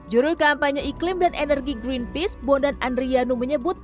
jurul kampanye iklim dan energi greenpeace bondan andriano menyebut